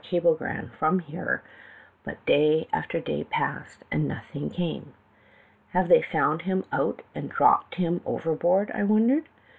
cablegram from him, but day after day passed, and nothing came. '"Have they found him out, and dropped him overboard?' I wondered.